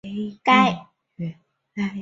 该堂的历史可追溯到基督教早期。